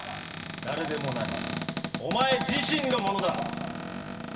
誰でもないお前自身のものだ。